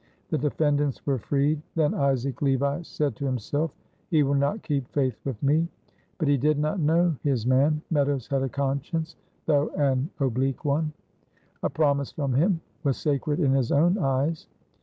The defendants were freed. Then Isaac Levi said to himself, "He will not keep faith with me." But he did not know his man. Meadows had a conscience, though an oblique one. A promise from him was sacred in his own eyes.